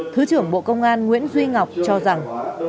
thứ trưởng bộ công an nguyễn duy ngọc cho rằng